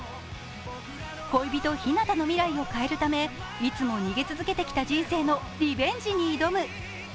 恋人、日向の未来を変えるため、いつも逃げ続けてきた人生のリベンジに挑む。